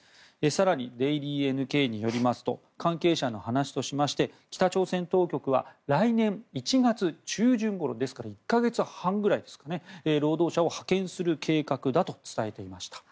更に、デイリーＮＫによりますと関係者の話としまして北朝鮮当局は来年１月中旬ごろですから１か月半ぐらいですね労働者を派遣する計画だと伝えていました。